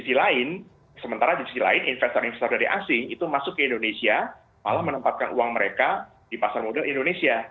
di sisi lain sementara di sisi lain investor investor dari asing itu masuk ke indonesia malah menempatkan uang mereka di pasar modal indonesia